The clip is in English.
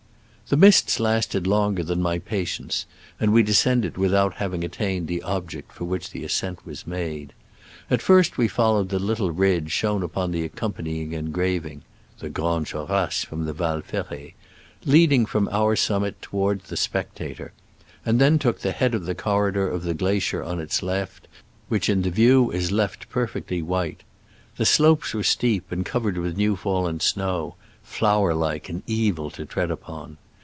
The mists lasted longer than my pa tience, and we descended without hav ing attained the object for which the ascent was made. At first we followed the little ridge shown upon the accom panying engraving (The Grandes Jo rasses from the Val Ferret), leading from our summit toward the spectator, and then took to the head of the corridor of glacier on its left, which in the view is left perfectly white. The slopes were steep and covered with new fallen snow, flour like and evil to tread upon.